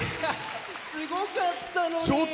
すごかったのに。